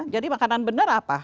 jadi makanan benar apa